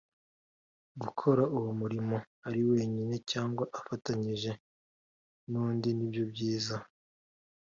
gukora uwo murimo ari wenyine cyangwa afatanyije nundi nibyo byiza